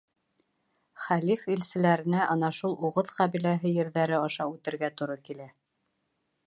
Хәлиф илселәренә ана шул уғыҙ ҡәбиләһе ерҙәре аша үтергә тура килә.